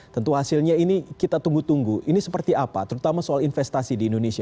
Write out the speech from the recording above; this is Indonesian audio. tentu hasilnya ini kita tunggu tunggu ini seperti apa terutama soal investasi di indonesia